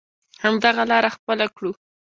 همدغه لاره خپله کړو.